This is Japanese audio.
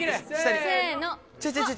せの。